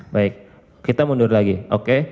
baik kita mundur lagi oke